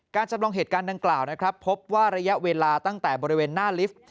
จำลองเหตุการณ์ดังกล่าวนะครับพบว่าระยะเวลาตั้งแต่บริเวณหน้าลิฟต์